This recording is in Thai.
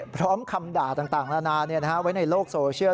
พร้อมคำด่าต่างแล้วนานไว้ในโลกโซเชียล